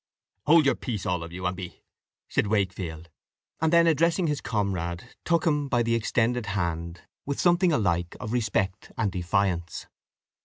"Hold your peace all of you, and be ," said Wakefield; and then addressing his comrade, he took him by the extended hand, with something alike of respect and defiance.